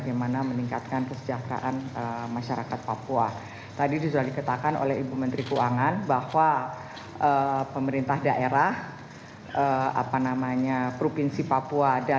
kementerian keuangan telah melakukan upaya upaya